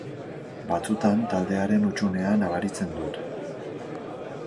Batzuetan taldearen hutsunea nabaritzen dut.